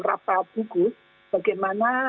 rapat gugus bagaimana